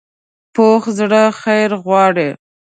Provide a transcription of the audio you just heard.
پوخ زړه خیر غواړي